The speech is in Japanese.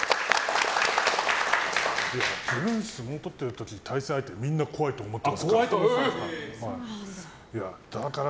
自分、相撲取ってる時対戦相手みんな怖いと思ってますから。